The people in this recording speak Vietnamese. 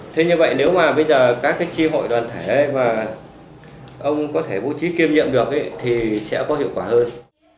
thế như vậy nếu mà bây giờ các cái tri hội đoàn thể mà ông có thể bố trí kiêm nhiệm được thì sẽ có hiệu quả hơn